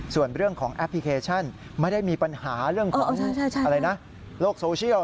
ส่วนเรื่องของแอปพลิเคชันไม่ได้มีปัญหาเรื่องของอะไรนะโลกโซเชียล